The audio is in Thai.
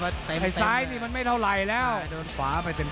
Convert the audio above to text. ตายซ้ายนี้ไม่เท่าไรแล้วไปโดนขวามาเต็ม